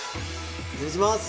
失礼します。